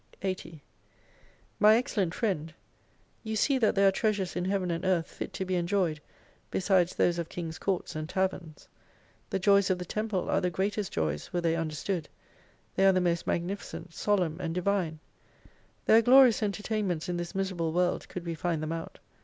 80 My excellent friend, you see that there are treasures in Heaven and Earth fit to be enjoyed, besides those of King's Courts, and Taverns. The joys of the Temple are the greatest joys were they understood ; they are the most magnificent, solemn and divine. There are glorious entertainments in this miserable world, could we find them out.